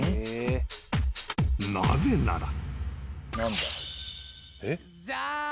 ［なぜなら］